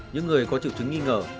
những người có triệu chứng nghi ngờ